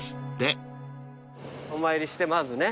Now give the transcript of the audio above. お参りしてまずね。